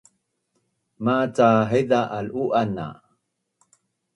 Maca haiza al’u’an na